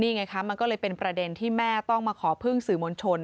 ไงคะมันก็เลยเป็นประเด็นที่แม่ต้องมาขอพึ่งสื่อมวลชน